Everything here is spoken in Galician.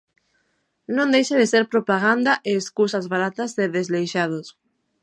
Non deixa de ser propaganda e escusas baratas de desleixados.